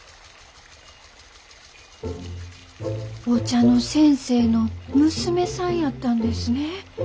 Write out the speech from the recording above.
お茶の先生の娘さんやったんですね。